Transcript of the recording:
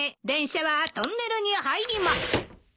電車はトンネルに入ります。